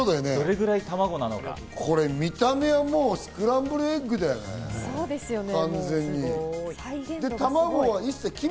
見た目はもうスクランブルエッグだよね、完全に。